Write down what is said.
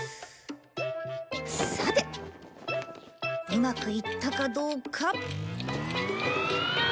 さてうまくいったかどうか。